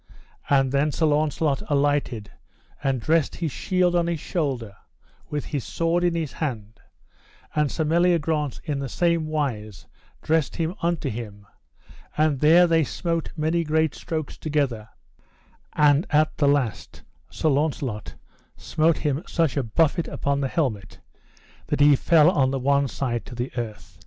And then Sir Launcelot alighted and dressed his shield on his shoulder, with his sword in his hand, and Sir Meliagrance in the same wise dressed him unto him, and there they smote many great strokes together; and at the last Sir Launcelot smote him such a buffet upon the helmet that he fell on the one side to the earth.